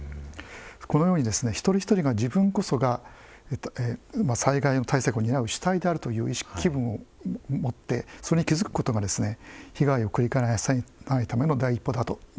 このように一人一人が自分こそが災害の対策を担う主体であるという機運を持ってそれに気付くことが被害を繰り返さないための第一歩だと思います。